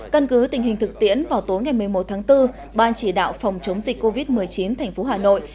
căn cứ tình hình thực tiễn vào tối ngày một mươi một tháng bốn ban chỉ đạo phòng chống dịch covid một mươi chín thành phố hà nội